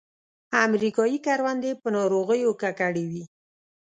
امریکایي کروندې په ناروغیو ککړې وې.